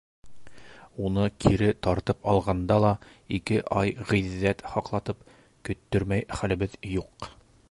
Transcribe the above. Уны кире тартып алғанда ла, ике ай ғиҙҙәт һаҡлатып, көттөрмәй хәлебеҙ юҡ.